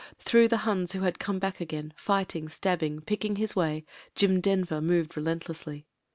Through the Huns who had come back again, fighting, stabbing, picking his way, Jim Denver moved relentlessly.